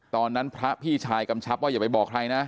ตอนนั้นพระพี่ชายกำชับว่าอย่าไปบอกใครนะ